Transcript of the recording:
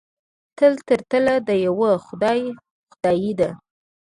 تل تر تله د یوه خدای خدایي ده.